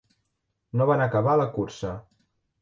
No van acabar la cursa.